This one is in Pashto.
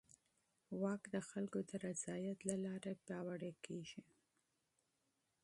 واک د خلکو د رضایت له لارې پیاوړی کېږي.